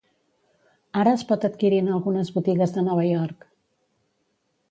Ara es pot adquirir en algunes botigues de Nova York.